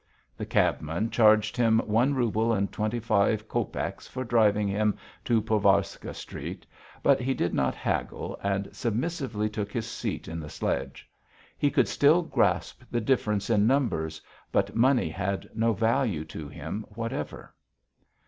The cabman charged him one rouble and twenty five copecks for driving him to Povarska Street, but he did not haggle and submissively took his seat in the sledge. He could still grasp the difference in numbers, but money had no value to him whatever.